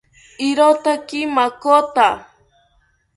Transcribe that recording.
Irotaki makota